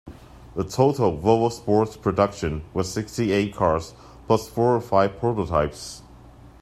The total "Volvo Sport" production was sixty-eight cars, plus four or five prototypes.